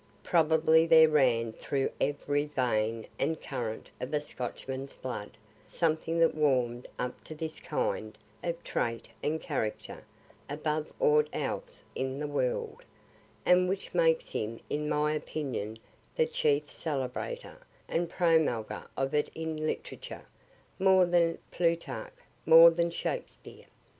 Probably there ran through every vein and current of the Scotchman's blood something that warm'd up to this kind of trait and character above aught else in the world, and which makes him in my opinion the chief celebrater and promulger of it in literature more than Plutarch, more than Shakspere.